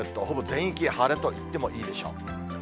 ほぼ全域、晴れといってもいいでしょう。